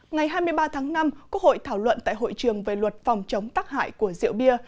ngày hai mươi ba tháng năm quốc hội thảo luận tại hội trường về luật phòng chống tắc hại của rượu bia